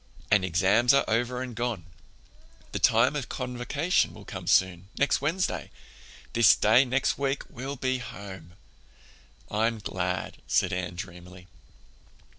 "And exams are over and gone—the time of Convocation will come soon—next Wednesday. This day next week we'll be home." "I'm glad," said Anne dreamily.